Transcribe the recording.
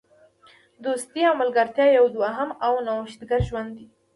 دوستي او ملګرتیا یو دوهم او نوښتګر ژوند دی.